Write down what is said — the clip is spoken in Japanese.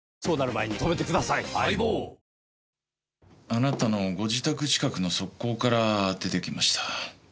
あなたのご自宅近くの側溝から出てきました。